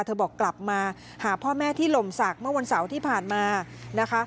บอกกลับมาหาพ่อแม่ที่หล่มศักดิ์เมื่อวันเสาร์ที่ผ่านมานะคะ